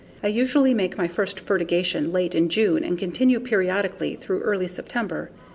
I usually make my first fertigation late in June and continue periodically through early September.